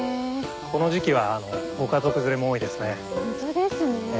この時期はご家族連れも多いですね。